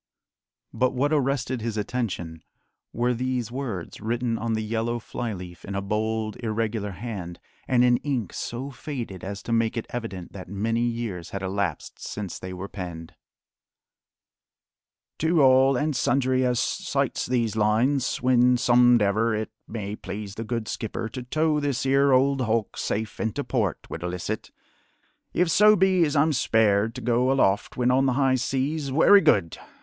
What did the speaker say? But what arrested his attention were these words written on the yellow fly leaf in a bold, irregular hand, and in ink so faded as to make it evident that many years had elapsed since they were penned: "To all and sundry as sights these lines, when somedever it may please the Good Skipper to tow this 'ere old hulk safe into port, widelicit. If so be as I'm spared to go aloft when on the high seas, wery good!